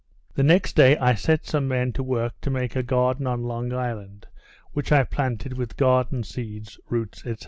The next day I set some men to work to make a garden on Long Island, which I planted with garden seeds, roots, &c.